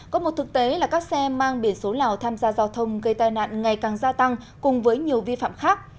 có một thực tế là các xe mang biển số lào tham gia giao thông gây tai nạn ngày càng gia tăng cùng với nhiều vi phạm khác